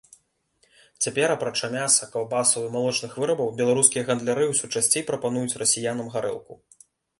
Цяпер, апрача мяса, каўбасаў і малочных вырабаў, беларускія гандляры ўсё часцей прапануюць расіянам гарэлку.